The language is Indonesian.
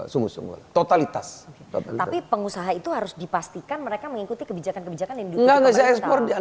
sungguh sungguh totalitas tapi pengusaha itu harus dipastikan mereka mengikuti kebijakan kebijakan